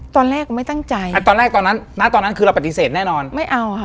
ตอนแรกไม่ตั้งใจตอนนั้นคือเราปฏิเสธแน่นอนไม่เอาค่ะ